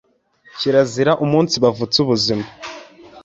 Kirazira umunsibavutsa ubuzima,